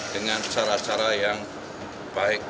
dengan cara cara yang baik